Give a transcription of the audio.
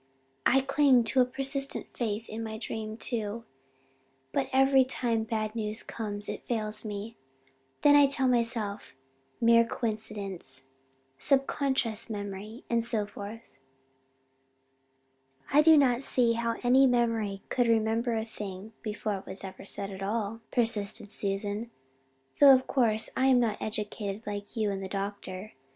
"I cling to a persistent faith in my dream, too but every time bad news comes it fails me. Then I tell myself 'mere coincidence' 'subconscious memory' and so forth." "I do not see how any memory could remember a thing before it was ever said at all," persisted Susan, "though of course I am not educated like you and the doctor.